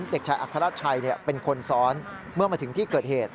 เด็กชายอัครราชชัยเป็นคนซ้อนเมื่อมาถึงที่เกิดเหตุ